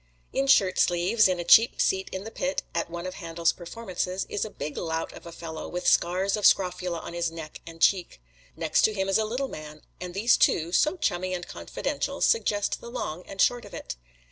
In shirt sleeves, in a cheap seat in the pit, at one of Handel's performances, is a big lout of a fellow, with scars of scrofula on his neck and cheek. Next to him is a little man, and these two, so chummy and confidential, suggest the long and short of it.